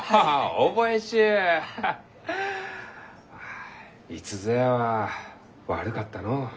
あいつぞやは悪かったのう。